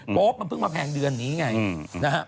โป๊ปมันเพิ่งมาแพงเดือนนี้ไงนะฮะ